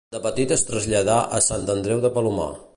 De petit es traslladà a Sant Andreu de Palomar.